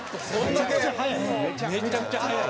めちゃくちゃ速いんです。